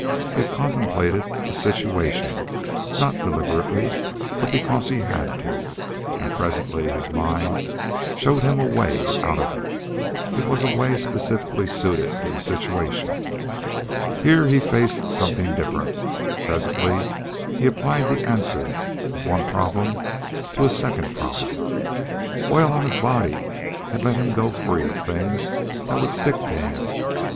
He had contemplated a situation not deliberately but because he had to and presently his mind showed him a way out of it. It was a way specifically suited to the situation. Here he faced something different. Presently he applied the answer of one problem to a second problem. Oil on his body had let him go free of things that would stick to him.